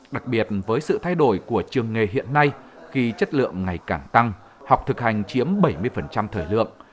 đặc biệt với sự thay đổi của trường nghề hiện nay khi chất lượng ngày càng tăng học thực hành chiếm bảy mươi thời lượng